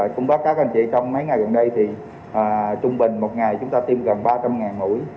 cũng bác các anh chị trong mấy ngày gần đây thì trung bình một ngày chúng ta tiêm gần ba trăm linh mũi